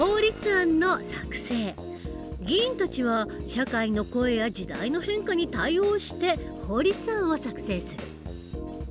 議員たちは社会の声や時代の変化に対応して法律案を作成する。